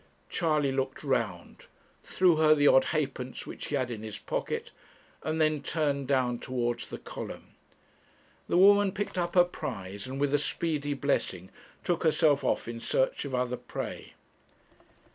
Charley looked round, threw her the odd halfpence which he had in his pocket, and then turned down towards the column. The woman picked up her prize, and, with a speedy blessing, took herself off in search of other prey.